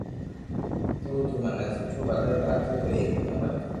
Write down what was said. تو تي مني سٺو ڀگت لاگتو تو ايڪ نمبر